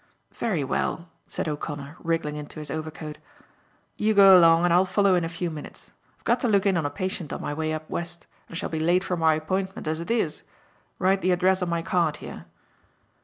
"Very well," said O'Connor, wriggling into his overcoat. "You go along and I'll follow in a few minutes. I've got to look in on a patient on my way up west, and I shall be late for my appointment as it is. Write the address on my card, here."